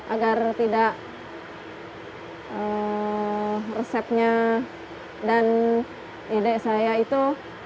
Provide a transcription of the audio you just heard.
agar tidak resepnya dan ide saya itu